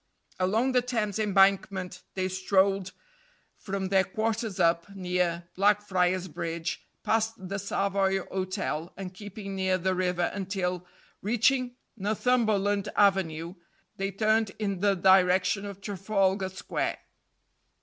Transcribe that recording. Along the Thames embankment they strolled from their quarters up near Blackfriar's Bridge, past the Savoy Hotel, and keeping near the river until, reaching Northumberland Avenue, they turned in the direction of Trafalgar Square.